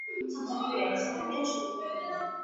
სამსართულიანი, ზემოთკენ შევიწროებული.